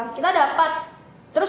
kita dapat terus